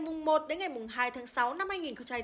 mùng một đến ngày mùng hai tháng sáu năm hai nghìn bốn